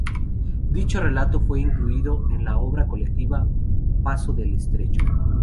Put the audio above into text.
Dicho relato fue incluido en la obra colectiva “Paso del Estrecho.